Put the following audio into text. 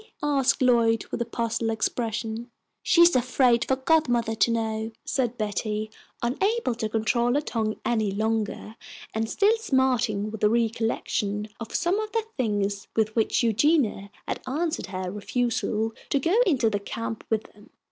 asked Lloyd, with a puzzled expression. "She's afraid for godmother to know," said Betty, unable to control her tongue any longer, and still smarting with the recollection of some of the things with which Eugenia had answered her refusal to go into the camp with them.